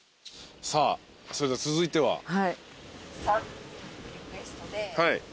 さあそれでは続いては？